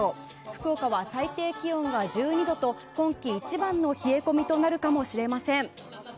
福岡は最低気温が１２度と今季一番の冷え込みとなるかもしれません。